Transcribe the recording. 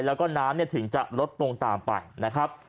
แล้วก็น้ำถึงจะลดลงตามไปนะครับ